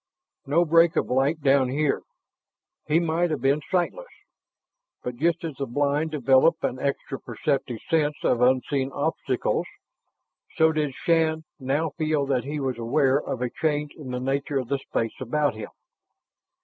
No break of light down here; he might have been sightless. But just as the blind develop an extra perceptive sense of unseen obstacles, so did Shann now find that he was aware of a change in the nature of the space about him.